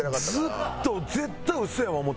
ずっと絶対嘘やわ思ってて。